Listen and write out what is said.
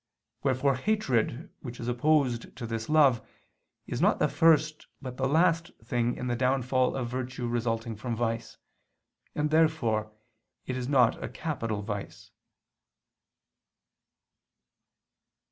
Wherefore hatred, which is opposed to this love, is not the first but the last thing in the downfall of virtue resulting from vice: and therefore it is not a capital vice.